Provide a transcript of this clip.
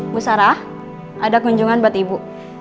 bu sarah ada kunjungan buat ibu